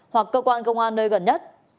hoặc cơ quan công an nơi gần nhất